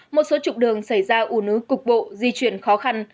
một số trục đường xảy ra ủ nứ cục bộ di chuyển khó khăn